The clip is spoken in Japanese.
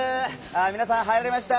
みなさん入られました！